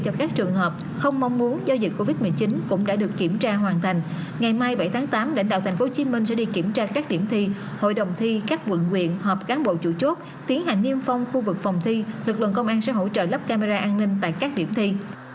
về các phương án phòng chống dịch covid một mươi chín đảm bảo an toàn cho thí sinh và cán bộ làm công tác thi